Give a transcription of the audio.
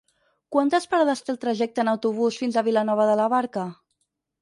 Quantes parades té el trajecte en autobús fins a Vilanova de la Barca?